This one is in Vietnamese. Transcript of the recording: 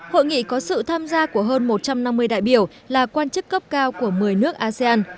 hội nghị có sự tham gia của hơn một trăm năm mươi đại biểu là quan chức cấp cao của một mươi nước asean